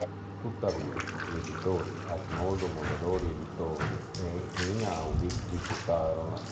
Tuttavia, gli editori Arnoldo Mondadori Editore e Einaudi rifiutarono.